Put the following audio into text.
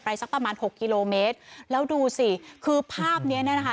สักประมาณหกกิโลเมตรแล้วดูสิคือภาพเนี้ยเนี้ยนะคะ